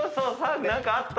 何かあった。